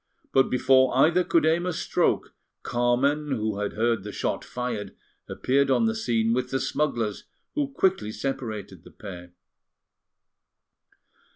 But before either could aim a stroke, Carmen, who had heard the shot fired, appeared on the scene with the smugglers, who quickly separated the pair.